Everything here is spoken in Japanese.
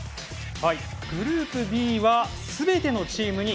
グループＢはすべてのチームに